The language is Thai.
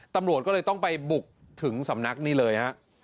ตำรวจก็เลยต้องไปบุกถึงสำนักนี่เลยฮะ